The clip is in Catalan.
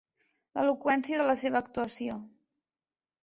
L'eloqüència de la seva actuació.